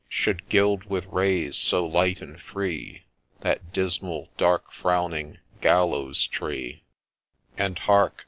— Should gild with rays so light and free That dismal, dark frowning Gallows tree I And hark